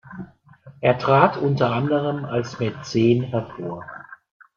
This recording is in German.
Er trat unter anderem als Mäzen hervor.